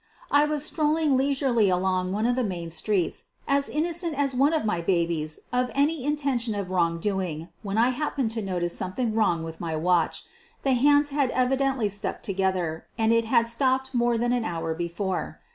I was strolling leisurely along one of the main streets as innocent as one of my babies of any in tention of wrongdoing, when I happened to notice something wrong with my watch. The hands had evidently stuck together, and it had stopped more than an hour before.